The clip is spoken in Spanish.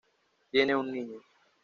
Tienen un niño.